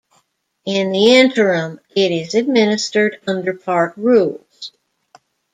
In the interim, it is administered under park rules.